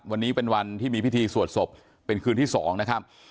วันนี้เป็นวันที่มีพิธีสวดศพเป็นคืนที่๒นะครับ